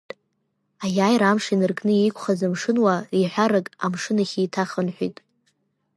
Аиааира Амш инаркны еиқәхаз амшынуаа реиҳараҩык амшын ахь еиҭахынҳәит.